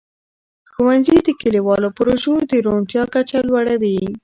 ښوونځي د کلیوالو پروژو د روڼتیا کچه لوړوي.